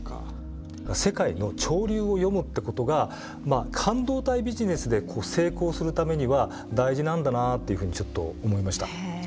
世界の潮流を読むってことが半導体ビジネスで成功するためには大事なんだなっていうふうにちょっと思いました。